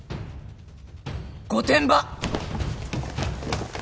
御殿場！